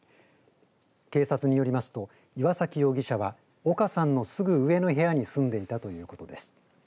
警察によりますと岩崎容疑者は岡さんのすぐ上の部屋に住んでいたということです。